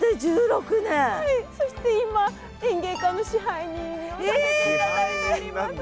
そして今演芸館の支配人をさせて頂いております。